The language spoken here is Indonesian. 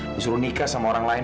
disuruh nikah sama orang lain